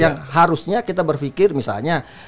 yang harusnya kita berpikir misalnya